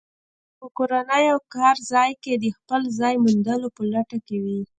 په کورنۍ او کارځای کې د خپل ځای موندلو په لټه کې وي.